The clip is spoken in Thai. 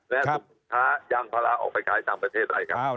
และถ้ายางพละออกไปขายทางประเทศไหนครับ